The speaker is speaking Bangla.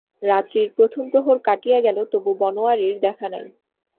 রাত্রির প্রথম প্রহর কাটিয়া গেল তবু বনোয়ারির দেখা নাই।